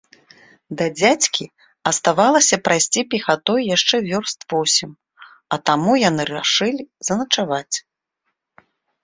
Да дзядзькі аставалася прайсці пехатой яшчэ вёрст восем, а таму яны рашылі заначаваць.